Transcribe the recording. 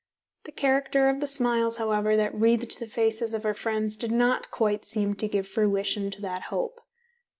The character of the smiles, however, that wreathed the faces of her friends did not quite seem to give fruition to that hope.